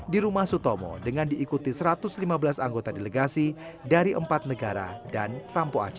di rumah sutomo dengan diikuti satu ratus lima belas anggota delegasi dari empat negara dan rampo aceh